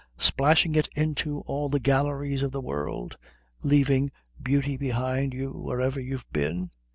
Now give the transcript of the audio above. Splashing it into all the galleries of the world? Leaving beauty behind you wherever you've been?"